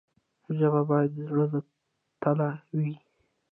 ژبه باید د زړه له تله وي.